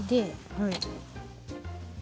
はい。